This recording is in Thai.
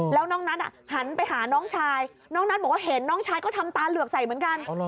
แล้วน้องนัทหันไปหาน้องชายน้องนัทบอกว่าเห็นน้องชายก็ทำตาเหลือกใส่เหมือนกัน